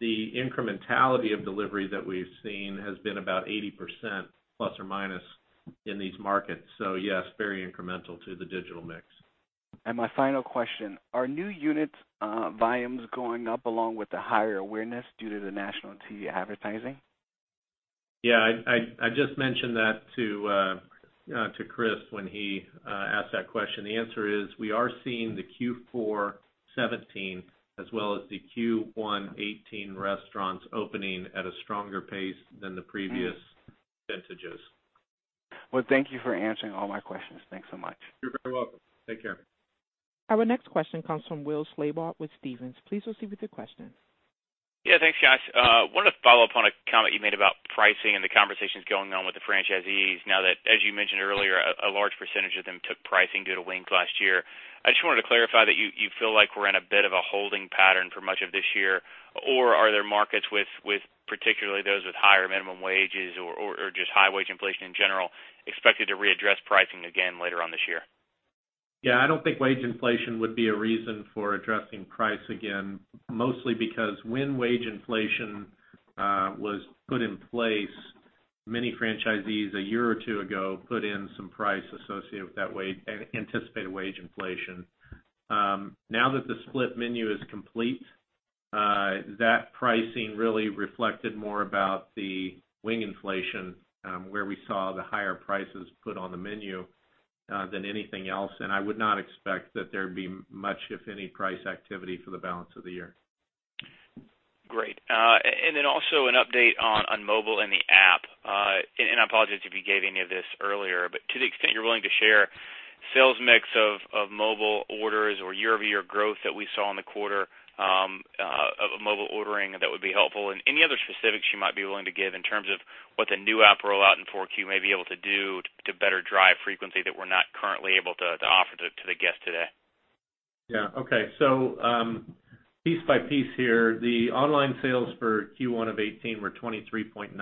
The incrementality of delivery that we've seen has been about 80% ± in these markets. Yes, very incremental to the digital mix. My final question, are new unit volumes going up along with the higher awareness due to the national TV advertising? Yeah, I just mentioned that to Chris when he asked that question. The answer is we are seeing the Q4 2017 as well as the Q1 2018 restaurants opening at a stronger pace than the previous vintages. Well, thank you for answering all my questions. Thanks so much. You're very welcome. Take care. Our next question comes from Will Slabaugh with Stephens. Please proceed with your question. Yeah, thanks, guys. Wanted to follow up on a comment you made about pricing and the conversations going on with the franchisees now that, as you mentioned earlier, a large percentage of them took pricing due to wings last year. I just wanted to clarify that you feel like we're in a bit of a holding pattern for much of this year, or are there markets with, particularly those with higher minimum wages or just high wage inflation in general, expected to readdress pricing again later on this year? Yeah, I don't think wage inflation would be a reason for addressing price again, mostly because when wage inflation was put in place, many franchisees a year or two ago put in some price associated with that anticipated wage inflation. Now that the split menu is complete, that pricing really reflected more about the wing inflation, where we saw the higher prices put on the menu, than anything else, I would not expect that there'd be much, if any, price activity for the balance of the year. Great. Also an update on mobile and the app. I apologize if you gave any of this earlier, but to the extent you're willing to share, sales mix of mobile orders or year-over-year growth that we saw in the quarter of mobile ordering, that would be helpful. Any other specifics you might be willing to give in terms of what the new app rollout in 4Q may be able to do to better drive frequency that we're not currently able to offer to the guest today. Yeah. Okay. Piece by piece here, the online sales for Q1 2018 were 23.9%.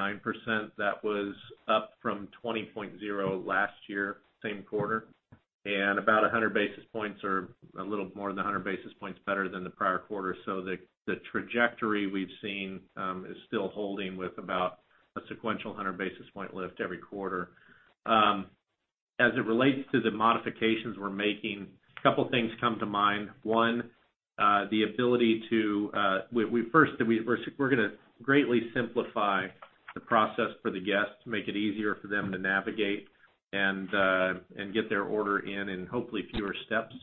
That was up from 20.0% last year, same quarter. About 100 basis points or a little more than 100 basis points better than the prior quarter. The trajectory we've seen is still holding with about a sequential 100 basis point lift every quarter. As it relates to the modifications we're making, a couple of things come to mind. One, we're going to greatly simplify the process for the guest to make it easier for them to navigate and get their order in hopefully fewer steps.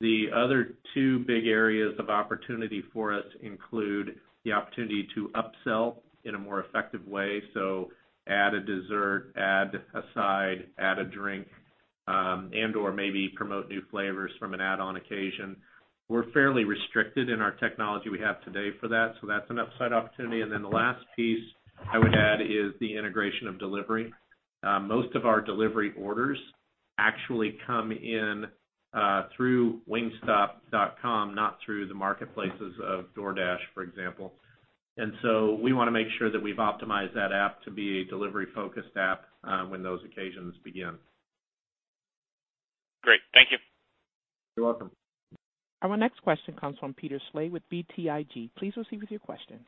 The other two big areas of opportunity for us include the opportunity to upsell in a more effective way. Add a dessert, add a side, add a drink. And/or maybe promote new flavors from an add-on occasion. We're fairly restricted in our technology we have today for that's an upside opportunity. The last piece I would add is the integration of delivery. Most of our delivery orders actually come in through wingstop.com, not through the marketplaces of DoorDash, for example. We want to make sure that we've optimized that app to be a delivery-focused app when those occasions begin. Great. Thank you. You're welcome. Our next question comes from Peter Saleh with BTIG. Please proceed with your question.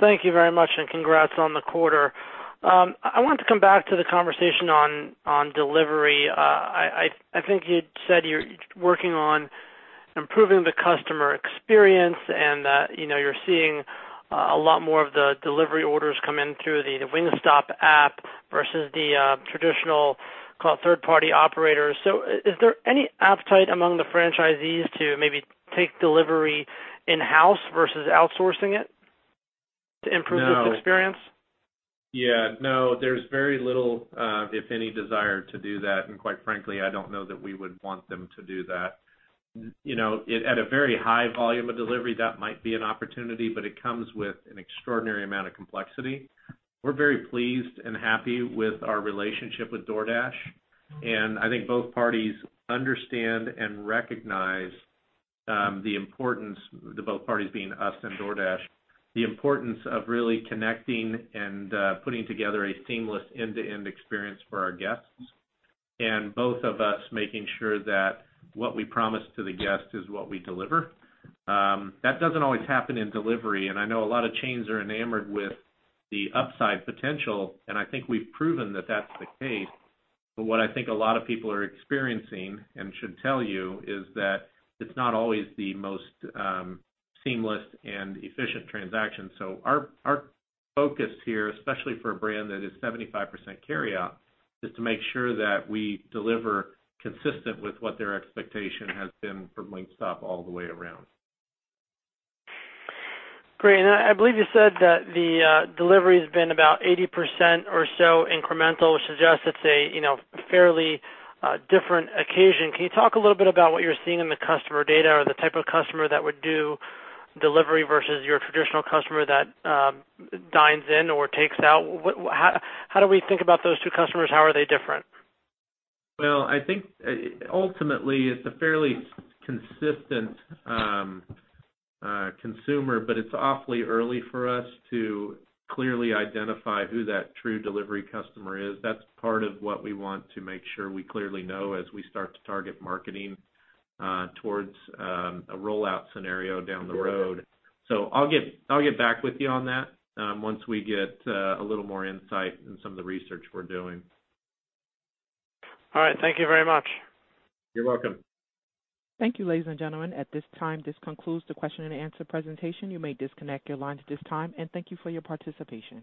Thank you very much, and congrats on the quarter. I wanted to come back to the conversation on delivery. I think you'd said you're working on improving the customer experience and that you're seeing a lot more of the delivery orders come in through the Wingstop app versus the traditional call it third-party operators. Is there any appetite among the franchisees to maybe take delivery in-house versus outsourcing it to improve this experience? Yeah, no. There's very little, if any, desire to do that, and quite frankly, I don't know that we would want them to do that. At a very high volume of delivery, that might be an opportunity, but it comes with an extraordinary amount of complexity. We're very pleased and happy with our relationship with DoorDash, and I think both parties understand and recognize the importance, both parties being us and DoorDash, the importance of really connecting and putting together a seamless end-to-end experience for our guests. Both of us making sure that what we promise to the guest is what we deliver. That doesn't always happen in delivery, and I know a lot of chains are enamored with the upside potential, and I think we've proven that that's the case. What I think a lot of people are experiencing and should tell you is that it's not always the most seamless and efficient transaction. Our focus here, especially for a brand that is 75% carryout, is to make sure that we deliver consistent with what their expectation has been for Wingstop all the way around. Great. I believe you said that the delivery has been about 80% or so incremental, which suggests it's a fairly different occasion. Can you talk a little bit about what you're seeing in the customer data or the type of customer that would do delivery versus your traditional customer that dines in or takes out? How do we think about those two customers? How are they different? Well, I think ultimately it's a fairly consistent consumer, it's awfully early for us to clearly identify who that true delivery customer is. That's part of what we want to make sure we clearly know as we start to target marketing towards a rollout scenario down the road. I'll get back with you on that once we get a little more insight in some of the research we're doing. All right. Thank you very much. You're welcome. Thank you, ladies and gentlemen. At this time, this concludes the question and answer presentation. You may disconnect your lines at this time, and thank you for your participation.